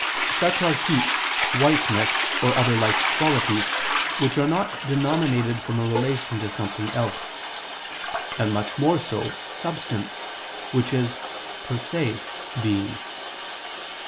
Such are heat, whiteness or other like qualities which are not denominated from a relation to something else: and much more so, substance, which is per se being.